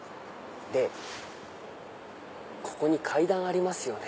でここに階段ありますよね？